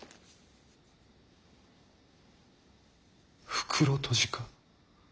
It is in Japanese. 「袋とじ」か？